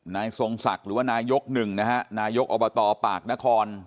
นายทรงสักหรือนายกหนึ่งนะค่ะนายกอบตปนคร